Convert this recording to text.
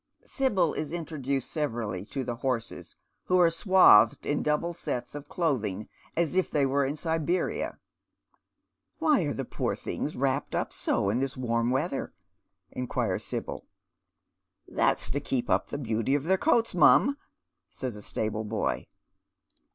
Sibyl is inti'oduced severally to the horses, who are swathed in double sets of clothing, as if they were in Siberia. " Why are the poor things wrapped up so this warm weather ?" inquires Sibyl. " That's to keep up the beauty of their coats, mum," says a stable boy.